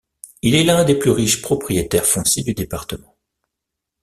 Il est l'un des plus riches propriétaires fonciers du département.